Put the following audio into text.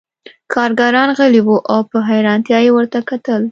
کارګران غلي وو او په حیرانتیا یې ورته کتل